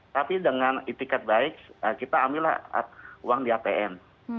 tapi dengan itikat baik kita ambillah uang di atm